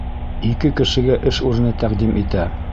Ике кешегә эш урыны тәҡдим итә.